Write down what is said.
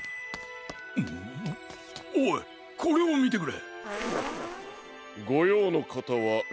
んおいこれをみてくれ！